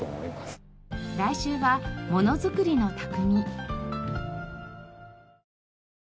来週はものづくりの匠。